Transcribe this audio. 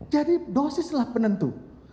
jadi dosislah penentu